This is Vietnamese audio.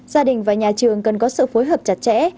gia đình và nhà trường cần có sự phối hợp chặt chẽ